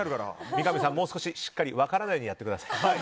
三上さん、もう少ししっかり分からないようにやってください。